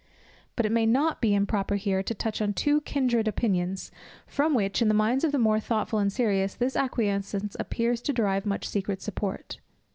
But it may not be improper here to touch on two kindred opinions, from which, in the minds of the more thoughtful and serious, this acquiescence appears to derive much secret support.